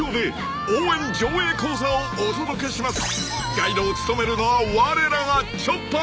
［ガイドを務めるのはわれらが］